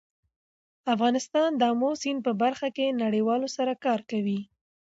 افغانستان د آمو سیند په برخه کې نړیوالو سره کار کوي.